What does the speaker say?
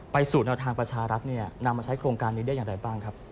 สู่แนวทางประชารัฐนำมาใช้โครงการนี้ได้อย่างไรบ้างครับ